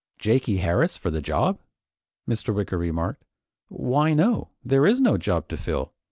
"Jakey Harris for the job?" Mr. Wicker remarked, "Why no there is no job to fill.